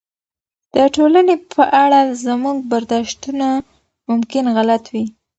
د ټولنې په اړه زموږ برداشتونه ممکن غلط وي.